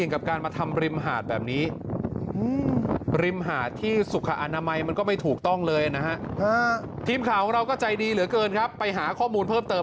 ใครดีเหลือเกินครับไปหาข้อมูลเพิ่มเติม